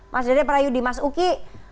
mas dede prayudi mas uki